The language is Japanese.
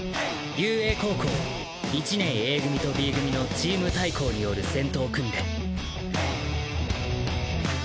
雄英高校１年Ａ組とＢ組のチーム対抗による戦闘訓練